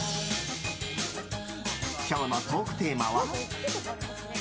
今日のトークテーマは。